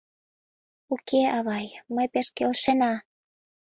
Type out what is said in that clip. — Уке, авай, ме пеш келшена.